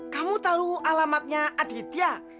kamu tahu alamatnya aditya